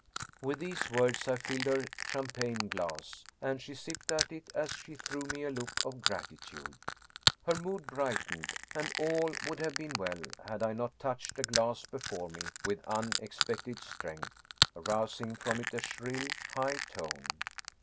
With these words I filled her champagne glass, and she sipped at it as she threw me a look of gratitude. Her mood brightened, and all would have been well had I not touched a glass before me with unexpected strength, arousing from it a shrill, high tone.